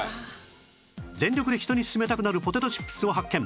「全力で人に勧めたくなるポテトチップスを発見！」